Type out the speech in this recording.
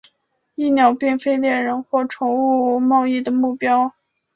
蚁鸟并非猎人或宠物贸易的目标。